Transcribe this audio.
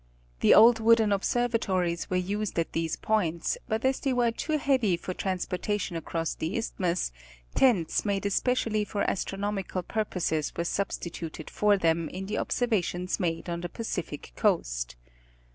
The old wooden observatories were used at these points, but as they were too heavy for transportation across the Isthmus, tents made especially for astronomical pur poses were substituted for them in the observations made on the Pacific coast.